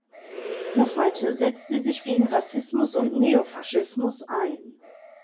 Noch heute setzt sie sich gegen Rassismus und Neofaschismus ein.